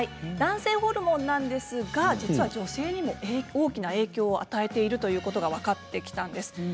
男性ホルモンなんですが実は女性にも大きな影響を与えてることが分かってきたんです。